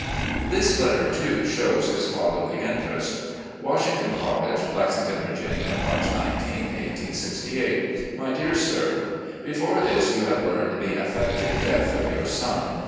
This letter, too, shows his fatherly interest : "Washington College, "Lexington, Virginia, March 19, 1868. "My Dear Sir: Before this you have learned the affecting death of your son.